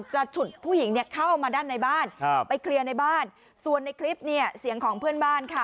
ฉุดผู้หญิงเนี่ยเข้ามาด้านในบ้านครับไปเคลียร์ในบ้านส่วนในคลิปเนี่ยเสียงของเพื่อนบ้านค่ะ